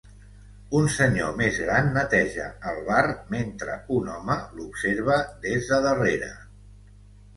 Un senyor més gran neteja el bar mentre un home l'observa des de darrere.